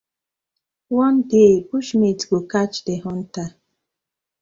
One day bush meat go catch the hunter: